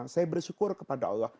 saya bersyukur kepada allah